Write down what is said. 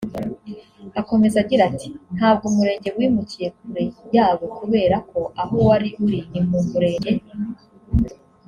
Akomeza agira ati “Ntabwo umurenge wimukiye kure yabo kubera ko aho wari uri ni mu murenge